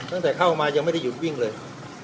ตั้งแต่เข้ามายังไม่ได้หยุดวิ่งเลย